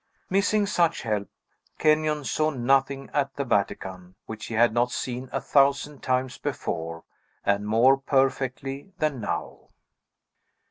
Missing such help, Kenyon saw nothing at the Vatican which he had not seen a thousand times before, and more perfectly than now.